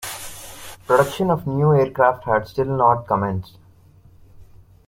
Production of new aircraft had still not commenced.